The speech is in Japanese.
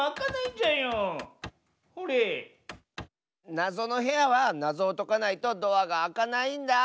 なぞのへやはなぞをとかないとドアがあかないんだあ。